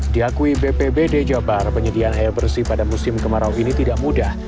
diakui bpbd jabar penyediaan air bersih pada musim kemarau ini tidak mudah